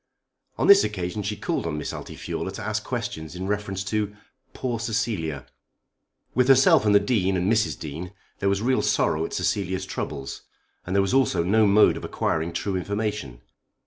On this occasion she called on Miss Altifiorla to ask questions in reference to "poor Cecilia." With herself and the Dean and Mrs. Dean there was real sorrow at Cecilia's troubles. And there was also no mode of acquiring true information.